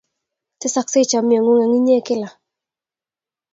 Tesokse chomye ng'ung' eng' inye kila.